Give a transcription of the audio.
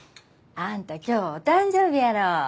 あんた今日お誕生日やろ。